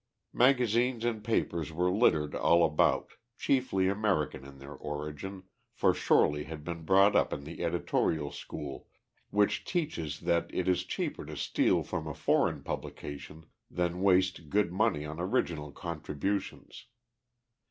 Magazines and papers were littered all about, chiefly American in their origin, for Shorely had been brought up in the editorial school which teaches that it is cheaper to steal from a foreign publication than waste good money on original contributions.